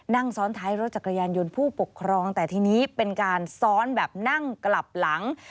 นั่งซ้อนท้ายรถจักรยานยนต์ผู้ปกครองแต่ทีนี้เป็นการซ้อนแบบนั่งกลับหลัง